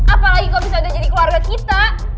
apalagi kau bisa udah jadi keluarga kita